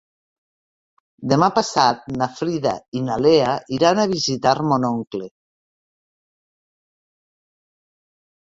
Demà passat na Frida i na Lea iran a visitar mon oncle.